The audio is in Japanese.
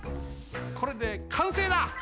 これでかんせいだ！